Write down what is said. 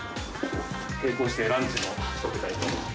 並行してランチの食材と。